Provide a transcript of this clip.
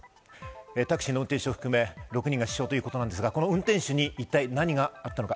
タクシーの運転手含め６人が死傷ということですが、この運転手に一体何があったのか？